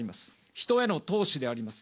人への投資であります。